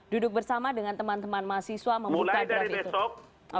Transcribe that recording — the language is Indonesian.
duduk bersama dengan teman teman mahasiswa membuka draft itu